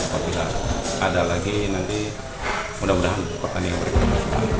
apabila ada lagi nanti mudah mudahan pertandingan berikutnya